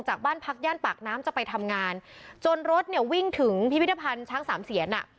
บ้านพักย่านปากน้ำจะไปทำงานจนรถเนี่ยวิ่งถึงพิพิธภัณฑ์ช้างสามเสียนอ่ะ